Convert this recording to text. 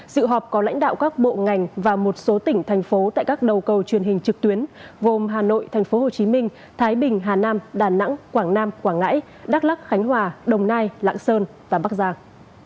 dự họp có lãnh đạo các bộ ngành và một số tỉnh thành phố tại các đầu cầu truyền hình trực tuyến gồm hà nội tp hcm thái bình hà nam đà nẵng quảng nam quảng ngãi đắk lắc khánh hòa đồng nai lạng sơn và bắc giang